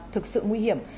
thực sự nguy hiểm